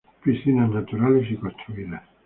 Piscinas naturales y construidas.